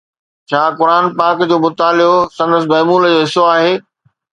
ڇا قرآن پاڪ جو مطالعو سندس معمول جو حصو آهي؟